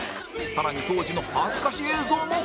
更に当時の恥ずかし映像も